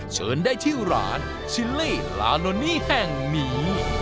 เชิญได้ที่ร้านชิลลี่ลาโนนีแห่งนี้